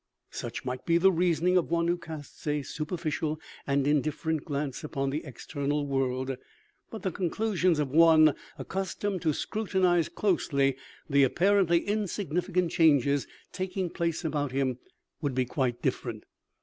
" Such might be the reasoning of one who casts a super ficial and indifferent glance upon the external world. But the conclusions of one accustomed to scrutinize closely the apparently insignificant changes taking place about him would be quite different.